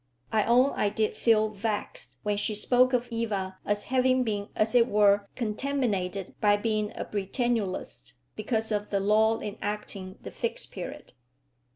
I own I did feel vexed when she spoke of Eva as having been as it were contaminated by being a Britannulist, because of the law enacting the Fixed Period.